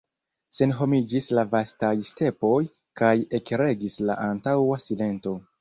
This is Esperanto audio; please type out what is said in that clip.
Senhomiĝis la vastaj stepoj, kaj ekregis la antaŭa silento.